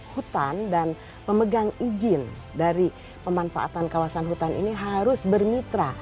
hutan dan memegang izin dari pemanfaatan kawasan hutan ini harus bermitra